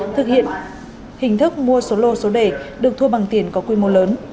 thực hiện hình thức mua số lô số đề được thua bằng tiền có quy mô lớn